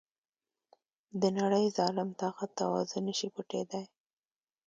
د نړی ظالم طاقت توازن نشي پټیدای.